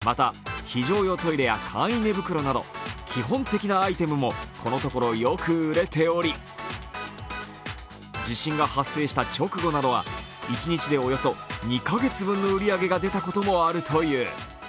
また、非常用トイレや簡易寝袋など基本的なアイテムもこのところよく売れており地震が発生した直後などは一日でおよそ２カ月分の売り上げが出たこともある。